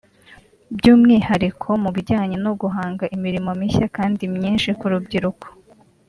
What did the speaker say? by’umwihariko mu bijyanye no guhanga imirimo mishya kandi myinshi ku rubyiruko